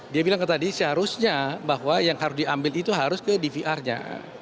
dia bilang ke tadi seharusnya bahwa yang harus diambil itu harus ke dvr nya